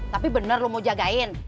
tapi bener lo mau jagain